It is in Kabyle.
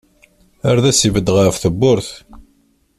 Ar d as-ibedd ɣef tewwurt.